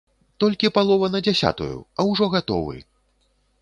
Толькі палова на дзясятую, а ўжо гатовы!